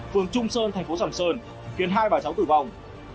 phường trung sơn thành phố sầm sơn khiến hai bà cháu tử vong